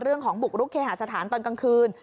เรื่องของบุกรุกเคหาสถานตอนกลางคืน